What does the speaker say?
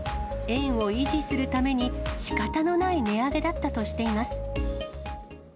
園を維持するために、しかたのない値上げだったとしています。